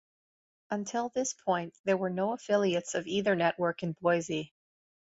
Until this point, there were no affiliates of either network in Boise.